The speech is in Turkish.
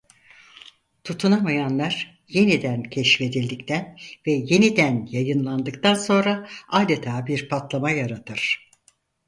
Tutunamayanlar "yeniden" keşfedildikten ve "yeniden" yayınlandıktan sonra adeta bir patlama yaratır.